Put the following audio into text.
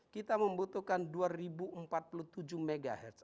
kita membutuhkan dua ribu empat puluh tujuh mhz